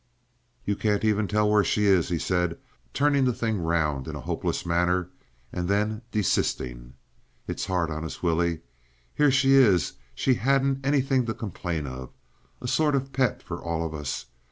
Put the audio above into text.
"You can't even tell where she is," he said, turning the thing round in a hopeless manner, and then desisting. "It's hard on us, Willie. Here she is; she hadn't anything to complain of; a sort of pet for all of us.